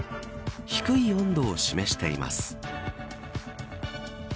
低い温度を示しています。